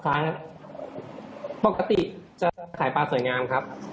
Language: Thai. ปกติจะขายปลาสวยงามครับ